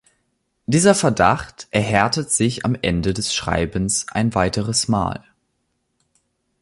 Dieser Verdacht erhärtet sich am Ende des Schreibens ein weiteres Mal.